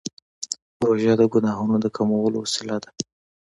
روژه د ګناهونو د کمولو وسیله ده.